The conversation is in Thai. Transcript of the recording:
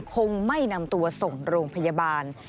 คงไม่นำตัวส่งโรงพยาบาล